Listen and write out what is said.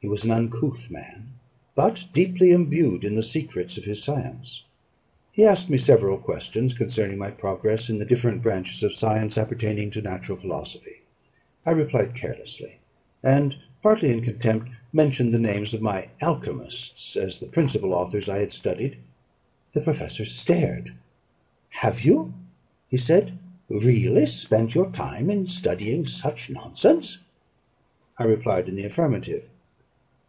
He was an uncouth man, but deeply embued in the secrets of his science. He asked me several questions concerning my progress in the different branches of science appertaining to natural philosophy. I replied carelessly; and, partly in contempt, mentioned the names of my alchymists as the principal authors I had studied. The professor stared: "Have you," he said, "really spent your time in studying such nonsense?" I replied in the affirmative.